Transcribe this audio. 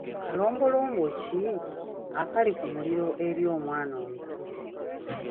Kalombolombo ki akali ku muliro eri omwana omuto?